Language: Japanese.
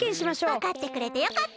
わかってくれてよかった！